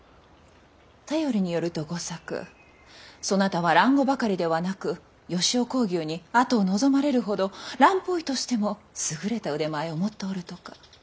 便りによると吾作そなたは蘭語ばかりではなく吉雄耕牛に跡を望まれるほど蘭方医としても優れた腕前を持っておるとか。